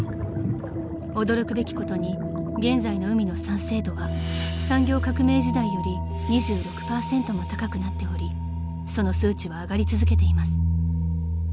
［驚くべきことに現在の海の酸性度は産業革命時代より２６％も高くなっておりその数値は上がり続けています］